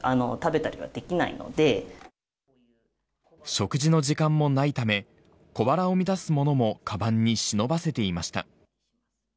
食事の時間もないため、小腹を満たすものもかばんに忍ばせていました。